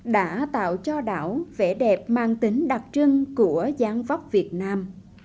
đã tạo cho đảo vẻ đẹp mang tính đặc trưng của dán vóc việt nam